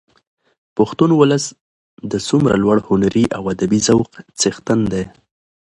پښتون ولس د څومره لوړ هنري او ادبي ذوق څښتن دي.